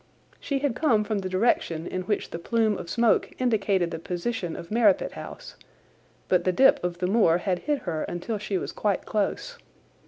She had come from the direction in which the plume of smoke indicated the position of Merripit House, but the dip of the moor had hid her until she was quite close.